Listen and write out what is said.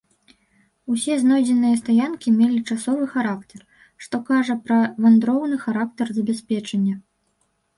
Усе знойдзеныя стаянкі мелі часовы характар, што кажа пра вандроўны характар забеспячэння.